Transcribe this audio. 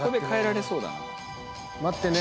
待ってね。